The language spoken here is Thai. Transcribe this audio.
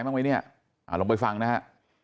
บ้างไหมเนี่ยลองไปฟังนะฮะ